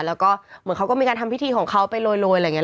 แล้วก็เหมือนเขาก็มีการทำพิธีของเขาไปโรยอะไรอย่างนี้